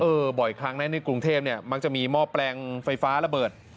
อือบ่อยค้างในกรุงเทพฯมั้งจะมีหม้อแปลงไฟฟ้าระเบิด